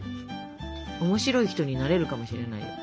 面白い人になれるかもしれないよ。